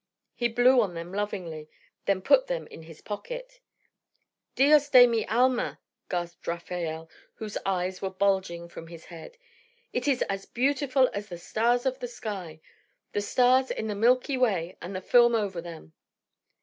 He blew on them lovingly, then put them in his pocket. "Dios de mi alma!" gasped Rafael, whose eyes were bulging from his head. "It is as beautiful as the stars of the sky, the stars in the milky way with the film over them."